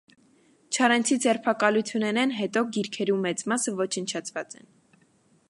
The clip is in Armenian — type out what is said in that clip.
Չարենցի ձերբակալութենէն յետոյ գիրքերու մեծ մասը ոչնչացուած են։